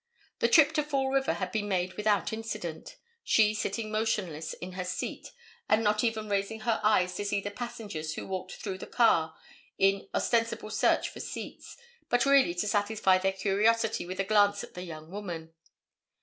The trip to Fall River had been made without incident, she sitting motionless in her seat and not even raising her eyes to see the passengers who walked through the car in ostensible search for seats, but really to satisfy their curiosity with a glance at the young woman.